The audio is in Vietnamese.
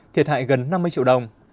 thiệt hại gần năm mươi triệu đồng